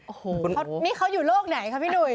โอ้โหนี่เขาอยู่โลกไหนคะพี่หุย